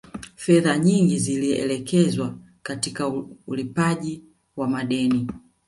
Fedha nyingi zilielekezwa katika ulipaji wa madeni